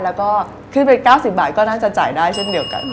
แล้วก็ขึ้นไป๙๐บาทก็น่าจะจ่ายได้เช่นเดียวกัน